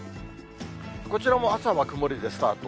こちらも朝は曇りでスタート。